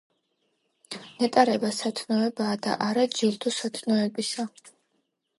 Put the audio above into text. ნეტარება სათნოებაა და არა ჯილდო სათნოებისა.